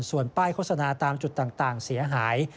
ส่วนป้ายโฆษณาตามจุดต่างเสียหาย